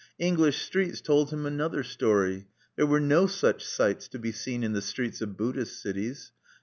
English streets told him another story: there were no such sights to be seen in the streets of Buddhist cities.